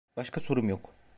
Başka sorum yok.